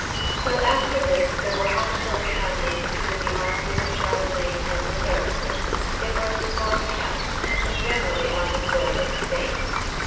Though after this there were hostile encounters between the armies of Charlemagne and the Saracens, they were of small account, and generally on the soil of Spain.